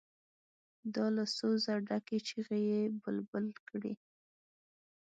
دا له سوزه ډکې چیغې چې بلبل کړي.